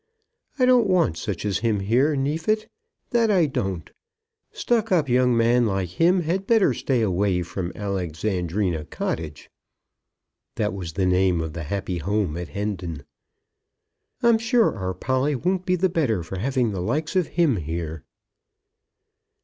I don't want such as him here, Neefit; that I don't. Stuck up young men like him had better stay away from Alexandrina Cottage," that was the name of the happy home at Hendon. "I'm sure our Polly won't be the better for having the likes of him here."